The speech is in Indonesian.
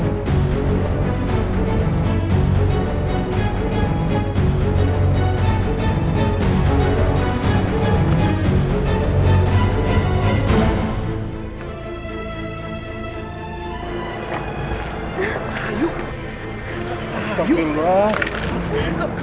baru ke rumah saya